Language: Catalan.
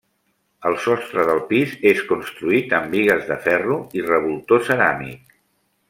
El sostre del pis és construït amb bigues de ferro i revoltó ceràmic.